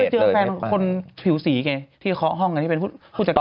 เจอแฟนคนผิวสีไงที่เคาะห้องกันที่เป็นผู้จัดการ